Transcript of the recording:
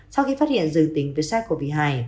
sau khi phát hiện dừng tính với sars cov hai